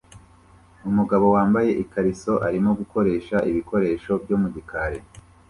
Umugabo wambaye ikariso arimo gukoresha ibikoresho byo mu gikari